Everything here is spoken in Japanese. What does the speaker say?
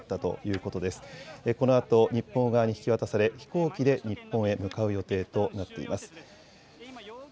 このあと日本側に引き渡され飛行機で日本へ向かう予定となっています。